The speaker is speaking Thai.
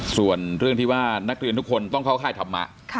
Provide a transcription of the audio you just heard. ส่วนเรื่องที่ว่านักเรียนทุกคนต้องเข้าค่ายธรรมะ